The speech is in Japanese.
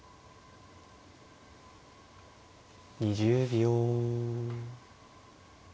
２０秒。